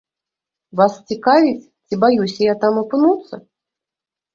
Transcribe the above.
Вас цікаваць ці баюся я там апынуцца?